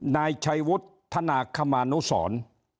นายชัยวุฒิธนาคมานุสร